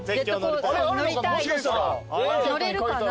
乗れるかな。